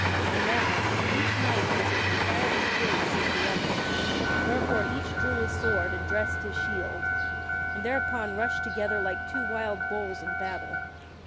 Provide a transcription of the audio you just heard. And now each knight was as entirely furious as the other, wherefore, each drew his sword and dressed his shield, and thereupon rushed together like two wild bulls in battle.